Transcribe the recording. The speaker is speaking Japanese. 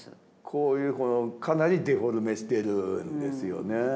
こういうこのかなりデフォルメしてるんですよね。